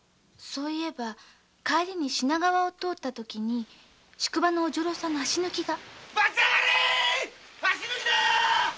そういえば帰りに品川を通った時に宿場のお女郎さんの足抜きが。